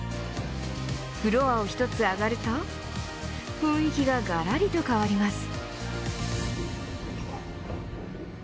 フロアを１つ上がると雰囲気ががらりと変わります。